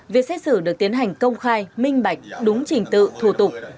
việc xét xử được tiến hành công khai minh bạch đúng trình tự thủ tục